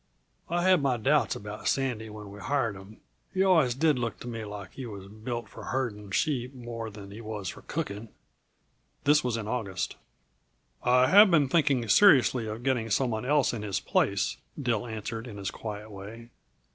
I had my doubts about Sandy when we hired him. He always did look to me like he was built for herding sheep more than he was for cooking." This was in August. "I have been thinking seriously of getting some one else in his place," Dill answered, in his quiet way.